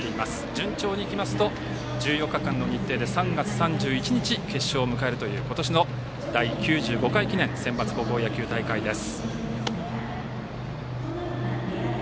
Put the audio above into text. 順調に行きますと１４日間の日程で３月３１日に決勝を迎えるという今年の第９５回センバツ高校野球大会です。